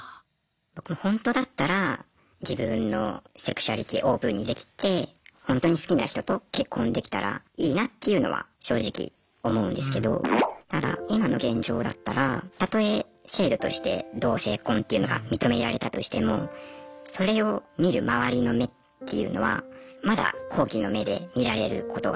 僕ほんとだったら自分のセクシュアリティーオープンにできてほんとに好きな人と結婚できたらいいなっていうのは正直思うんですけどただ今の現状だったらたとえ制度として同性婚というのが認められたとしてもそれを見る周りの目っていうのはまだ好奇の目で見られることが。